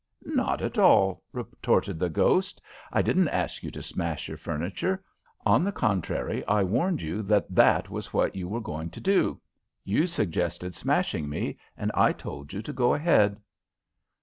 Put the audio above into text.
"Not at all," retorted the ghost. "I didn't ask you to smash your furniture. On the contrary, I warned you that that was what you were going to do. You suggested smashing me, and I told you to go ahead."